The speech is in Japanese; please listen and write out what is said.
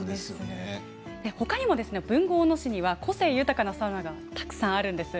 豊後大野市には個性豊かなサウナがたくさんあります。